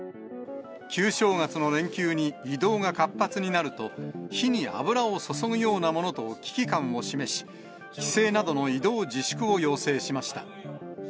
旧正月の連休に移動が活発になると、火に油を注ぐようなものと危機感を示し、帰省などの移動自粛を要請しました。